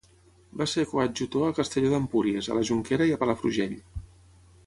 Va ser coadjutor a Castelló d'Empúries, a la Jonquera i a Palafrugell.